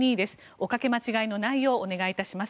おかけ間違いのないようお願いいたします。